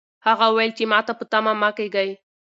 هغه وویل چې ماته په تمه مه کېږئ.